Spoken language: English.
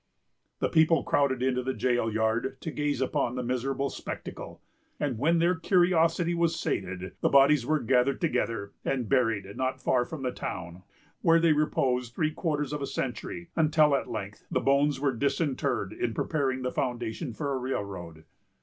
The people crowded into the jail yard to gaze upon the miserable spectacle; and, when their curiosity was sated, the bodies were gathered together, and buried not far from the town, where they reposed three quarters of a century; until, at length, the bones were disinterred in preparing the foundation for a railroad.